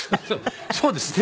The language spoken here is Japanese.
そうですね。